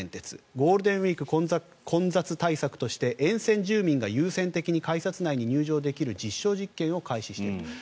ゴールデンウィーク混雑対策として沿線住民が優先的に改札内に入場できる実証実験を開始していると。